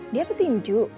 dia ke tinju